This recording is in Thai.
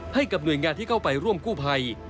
ให้กับหน่วยงานที่เข้าไปร่วมกู้ภัย